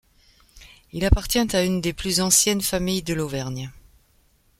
Il appartient à une des plus annciennes familles de l'Auvergne.